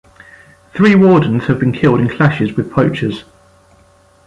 Three wardens have been killed in clashes with poachers.